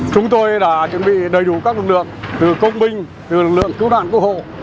chúng tôi đã chuẩn bị đầy đủ các lực lượng từ công binh từ lực lượng cứu nạn cứu hộ